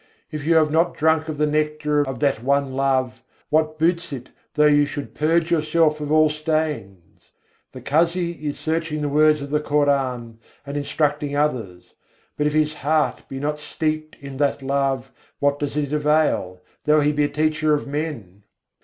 If you have not drunk of the nectar of that One Love, what boots it though you should purge yourself of all stains? The Kazi is searching the words of the Koran, and instructing others: but if his heart be not steeped in that love, what does it avail, though he be a teacher of men?